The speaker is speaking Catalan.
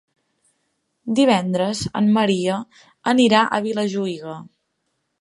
Divendres en Maria anirà a Vilajuïga.